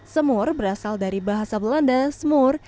semur berasal dari bahasa belanda smur